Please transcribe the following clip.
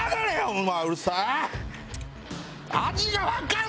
お前うるさい！